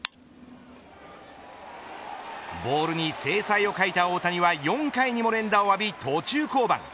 ボールに精彩を欠いた大谷は４回にも連打を浴び途中降板。